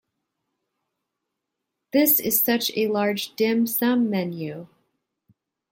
This is such a large dim sum menu.